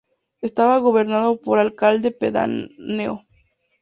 Estaba gobernado por alcalde pedáneo.